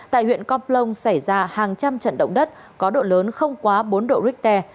tại huyện con plong xảy ra hàng trăm trận động đất có độ lớn không quá bốn độ richter